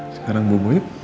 sekarang bubu yuk